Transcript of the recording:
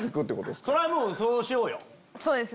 それはもうそうしようよ。